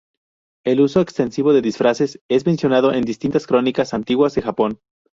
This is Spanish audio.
El uso extensivo de disfraces es mencionado en distintas crónicas antiguas de Japón.